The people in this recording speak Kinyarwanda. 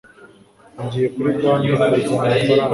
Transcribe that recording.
Ngiye kuri banki kuzana amafaranga.